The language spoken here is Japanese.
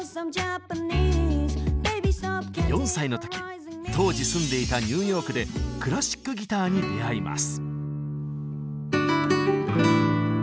４歳の時当時住んでいたニューヨークでクラシックギターに出会います。